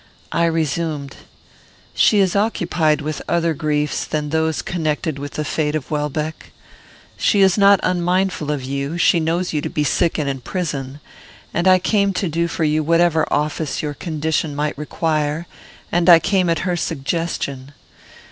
I resumed: "She is occupied with other griefs than those connected with the fate of Welbeck. She is not unmindful of you; she knows you to be sick and in prison; and I came to do for you whatever office your condition might require, and I came at her suggestion.